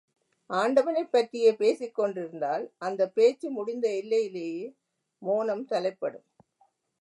ஆண்டவனைப் பற்றியே பேசிக்கொண்டிருந்தால், அந்தப் பேச்சு முடிந்த எல்லையிலே மோனம் தலைப்படும்.